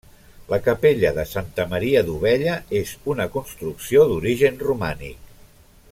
La capella de Santa Maria d'Ovella és una construcció d'origen romànic.